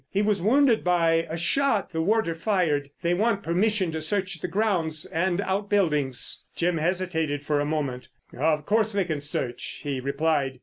He was wounded by a shot the warder fired. They want permission to search the grounds and out buildings." Jim hesitated for a moment. "Of course they can search," he replied.